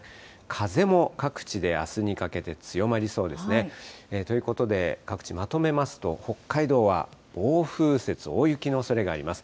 風も各地であすにかけて強まりそうですね。ということで、各地、まとめますと、北海道は暴風雪、大雪のおそれがあります。